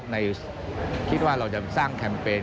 คิดว่าเราจะสร้างแคมเปญ